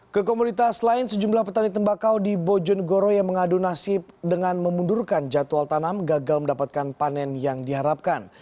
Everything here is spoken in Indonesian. ke komunitas lain sejumlah petani tembakau di bojonegoro yang mengadu nasib dengan memundurkan jadwal tanam gagal mendapatkan panen yang diharapkan